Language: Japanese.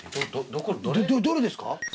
どれ⁉どれですか？